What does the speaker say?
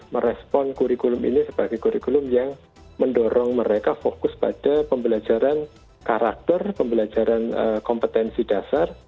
merespon kurikulum ini sebagai kurikulum yang mendorong mereka fokus pada pembelajaran karakter pembelajaran kompetensi dasar